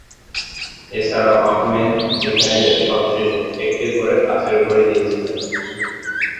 এছাড়াও আহম্মেদ বিজ্ঞানীদের সব শেষে একটি করে কাঁচের ঘড়ি দিয়েছিলেন।